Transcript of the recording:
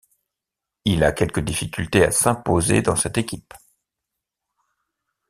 Il a quelques difficultés à s'imposer dans cette équipe.